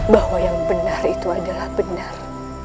bahwa yang benar itu adalah benar